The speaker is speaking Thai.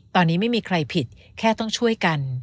ตอนนี้ไม่มีใครผิดแค่ต้องช่วยกัน